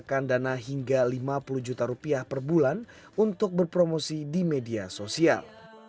dan juga menghasilkan dana hingga lima puluh juta rupiah per bulan untuk berpromosi di media sosial